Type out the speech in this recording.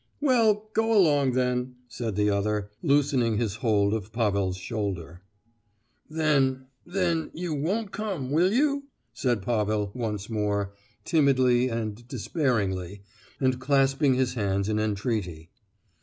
"Well, go along, then!" said the other, loosing his hold of Pavel's shoulder. "Then—then—you won't come, will you?" said Pavel once more, timidly and despairingly, and clasping his hands in entreaty.